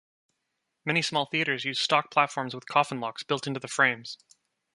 Many small theatres use stock platforms with coffin locks built into the frames.